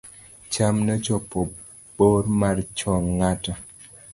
cham nochopo bor mar chong ng'ato